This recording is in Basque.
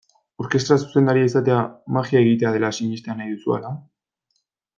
Orkestra zuzendaria izatea magia egitea dela sinestea nahi duzu, ala?